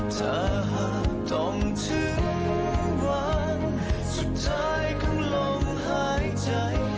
ถ้าหากต้องถึงวันสุดท้ายขึ้นลงหายใจ